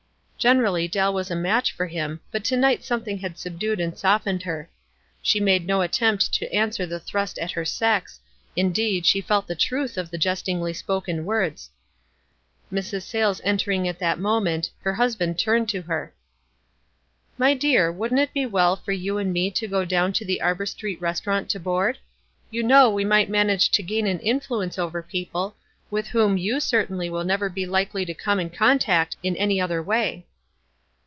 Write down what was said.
Generally Dell was a match for him, but to night something had subdued and softened her. She made no at tempt to answer the thrust at her sex — indeed, she felt the truth of the jestingly spoken words. Mrs. Savles entering at that moment, her hus band turned to her. " My dear, wouldn't it be well for you and me to go down to the Arbor Street restaurant to board ? You know we might manage to gain an influence over people, with w r hom you certainly 176 WISE AND OTHEEWISE. will never be likely to come in contact in any other way."